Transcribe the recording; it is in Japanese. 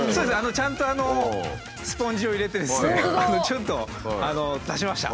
ちゃんとスポンジを入れてですねちょっと出しました。